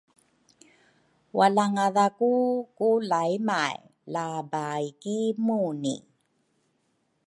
walangadhaku ku laymay la bai ki Muni.